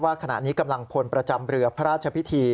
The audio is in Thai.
ขณะนี้กำลังพลประจำเรือพระราชพิธี